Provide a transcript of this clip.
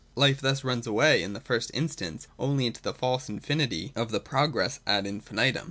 Life thus runs away, in the first instance, only into the false infinity of the progress ad infinitum.